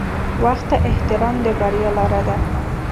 • وخت ته احترام د بریا لاره ده.